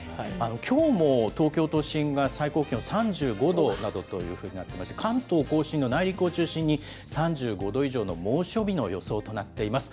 きょうも東京都心が最高気温３５度などというふうになっていまして、関東甲信の内陸を中心に３５度以上の猛暑日の予想となっています。